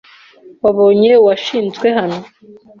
Wabonye uwashinzwe hano?